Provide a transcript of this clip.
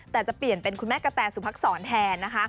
แต่จะเปลี่ยนเป็นคุณแม่กะแตสุภักษรแทนนะคะ